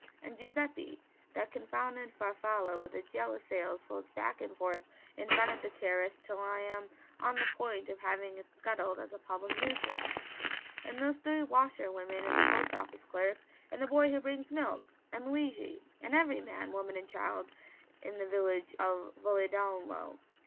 And Giuseppe that confounded Farfalla with its yellow sails floats back and forth in front of the terrace till I am on the point of having it scuttled as a public nuisance; and those three washer women and the post office clerk and the boy who brings milk, and Luigi and every man, woman and child in the village of Valedolmo!'